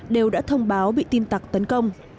đều đã thông báo bị tin tặc tấn công